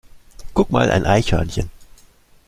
Guck mal, ein Eichhörnchen!